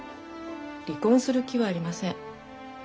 離婚する気はありません。